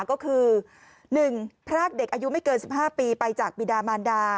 ก็คือ๑พรากเด็กอายุไม่เกิน๑๕ปีไปจากบิดามานดา